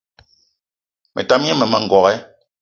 Me tam gne mmema n'gogué